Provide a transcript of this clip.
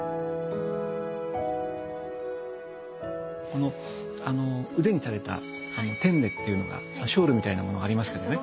この腕に垂れた天衣っていうのがショールみたいなものがありますけども。